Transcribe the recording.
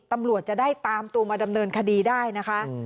ตำรวจจะได้ตามตัวมาดำเนินคดีได้นะคะ